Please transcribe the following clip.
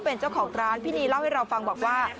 เป็นเจ้าของร้านพี่นีเล่าให้เราฟังบอกว่า